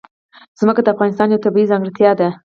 ځمکه د افغانستان یوه طبیعي ځانګړتیا ده.